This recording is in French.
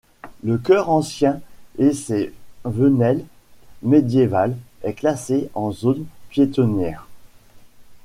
Le cœur ancien et ses venelles médiévales est classé en zone piétonnière.